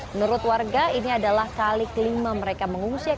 menurut warga ini adalah kali kelima mereka mengungsi